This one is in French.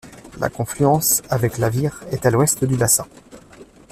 La confluence avec la Vire est à l'ouest du bassin.